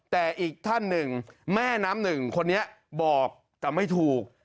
แต่อีกท่านหนึ่งแม่น้ำหนึ่งคนนี้บอกแต่ไม่ถูก